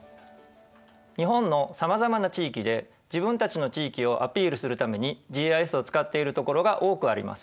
日本のさまざまな地域で自分たちの地域をアピールするためにＧＩＳを使っているところが多くあります。